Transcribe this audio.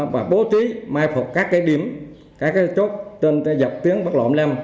và bố trí mai phục các điểm các chốt trên dọc tiếng bắt lộn lem